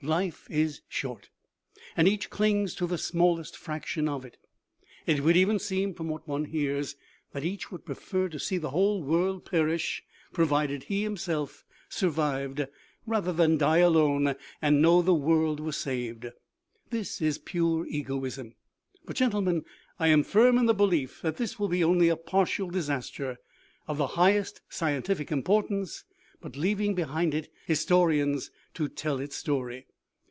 Life is short, and each clings to the smallest fraction of it ; it would even seem, from what one hears, that each would prefer to see the whole world perish, provided he himself sur vived, rather than die alone and know the world was saved. This is pure egoism. But, gentlemen, I am firm in the belief that this will be only a partial disas ter, of the highest scientific importance, but leaving be hind it historians to tell its story.